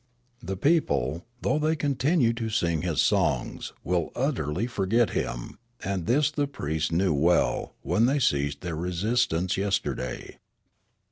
The people, though they continue to sing his songs, will utterly forget him ; and this the priests knew well, when they ceased their resistance yesterday."